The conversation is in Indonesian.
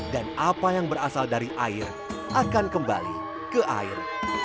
dan apa yang berasal dari air akan kembali ke air